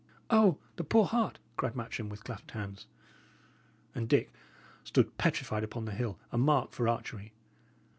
"O, the poor heart!" cried Matcham, with clasped hands. And Dick stood petrified upon the hill, a mark for archery.